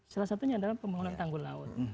salah satunya adalah pembangunan tanggul laut